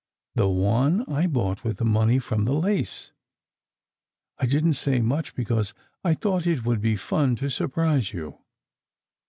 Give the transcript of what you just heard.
The one I bought with the money from the lace. I didn t say much, because I thought it would be fun to surprise you."